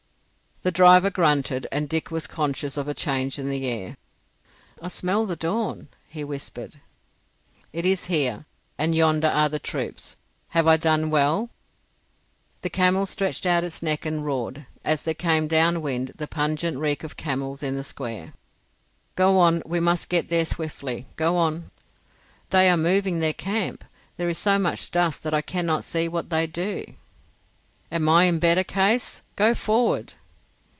The driver grunted, and Dick was conscious of a change in the air. "I smell the dawn," he whispered. "It is here, and yonder are the troops. Have I done well?" The camel stretched out its neck and roared as there came down wind the pungent reek of camels in the square. "Go on. We must get there swiftly. Go on." "They are moving in their camp. There is so much dust that I cannot see what they do." "Am I in better case? Go forward."